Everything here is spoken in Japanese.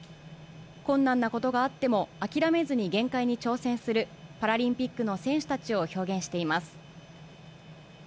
困難なことがあっても諦めずに限界に挑戦する、パラリンピックの選手たちを表現しています。